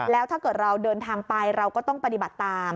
แล้วถ้าเกิดเราเดินทางไปเราก็ต้องปฏิบัติตาม